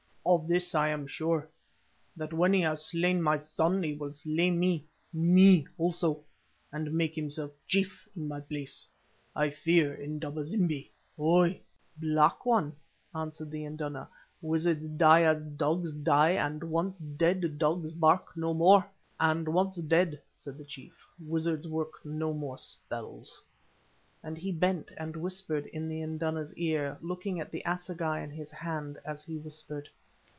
Of this I am sure, that when he has slain my son he will slay me, me also, and make himself chief in my place. I fear Indaba zimbi. Ou!" "Black One," answered the induna, "wizards die as dogs die, and, once dead, dogs bark no more." "And once dead," said the chief, "wizards work no more spells," and he bent and whispered in the induna's ear, looking at the assegai in his hand as he whispered.